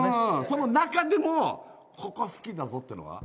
その中でもここ好きだぞっていうのは？